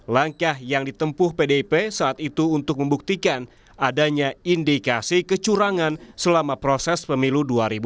langkah yang ditempuh pdip saat itu untuk membuktikan adanya indikasi kecurangan selama proses pemilu dua ribu sembilan belas